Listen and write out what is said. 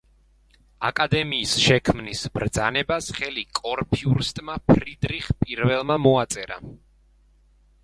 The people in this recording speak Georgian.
აკადემიის შექმნის ბრძანებას ხელი კურფიურსტმა ფრიდრიხ პირველმა მოაწერა.